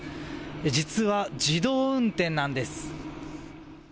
実は自動運転なんです。